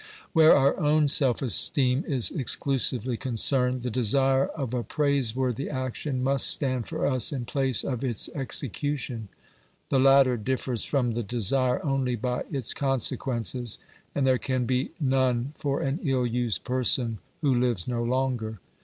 Where our own self esteem is exclusively concerned, the desire of a praiseworthy action must stand for us in place of its execution ; the latter differs from the desire only by its consequences, and there can be none for an ill used person who lives no longer.